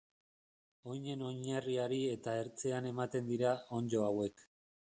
Oinen oinarriari eta ertzean ematen dira onddo hauek.